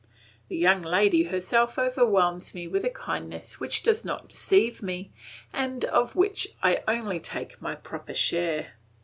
The little lady herself overwhelms me with a kindness which does not deceive me, and of which I only take my proper share.